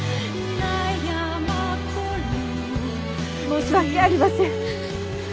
申し訳ありません。